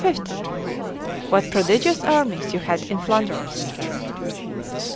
L "WHAT prodigious armies you had in _Flanders!